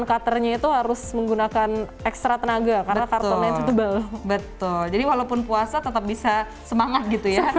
cutter nya itu harus menggunakan ekstra tenaga karena kartonnya tebal betul jadi walaupun puasa tetap bisa semangat gitu ya